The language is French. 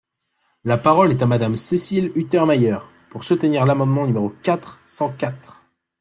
La parole est à Madame Cécile Untermaier, pour soutenir l’amendement numéro quatre cent quatre.